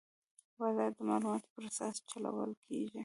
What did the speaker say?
بازار د معلوماتو پر اساس چلول کېږي.